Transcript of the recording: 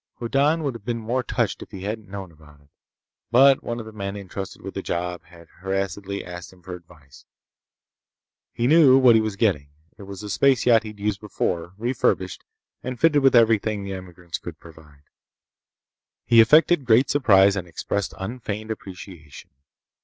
Hoddan would have been more touched if he hadn't known about it. But one of the men entrusted with the job had harassedly asked him for advice. He knew what he was getting. It was the space yacht he'd used before, refurbished and fitted with everything the emigrants could provide. He affected great surprise and expressed unfeigned appreciation.